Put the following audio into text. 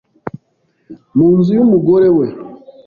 mu nzu y’umugore we,